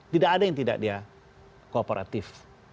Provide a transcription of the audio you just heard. tidak ada yang tidak dia kooperatif